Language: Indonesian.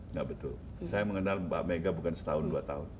nggak betul saya mengenal mbak mega bukan setahun dua tahun